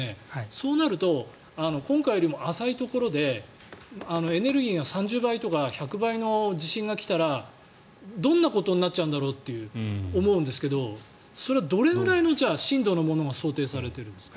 そうなると今回よりも浅いところでエネルギーが３０倍とか１００倍の地震が来たらどんなことになっちゃうんだろうと思うんですけどそれはどれくらいの震度のものが想定されてるんですか。